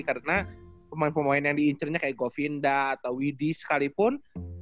karena pemain pemain yang diincernya kayak govinda atau widi sekalipun